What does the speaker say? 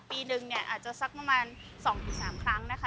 ปีนึงเนี่ยอาจจะสักประมาณ๒๓ครั้งนะคะ